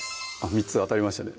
３つ当たりましたね